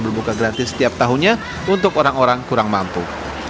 dan juga untuk buka gratis setiap tahunnya untuk orang orang kurang mampu